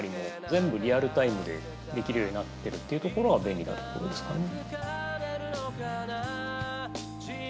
全部リアルタイムでできるようになってるっていうところが便利なところですかね。